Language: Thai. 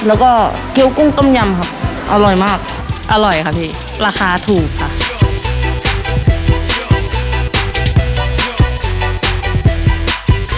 แล้วก็เกี้ยวกุ้งต้มยำครับอร่อยมากอร่อยค่ะพี่ราคาถูกค่ะ